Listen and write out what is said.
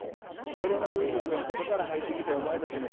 コロナウイルスは外から入ってきてお前たちの体をむしばむ。